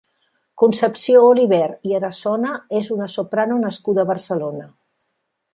Concepció Oliver i Arazona és una soprano nascuda a Barcelona.